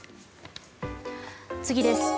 次です。